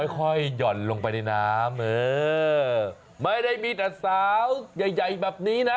ค่อยหย่อนลงไปในน้ำเออไม่ได้มีแต่สาวใหญ่ใหญ่แบบนี้นะ